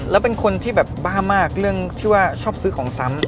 แล้วเป็นคนที่แบบบ้ามากเรื่องที่ว่าชอบซื้อของซ้ำ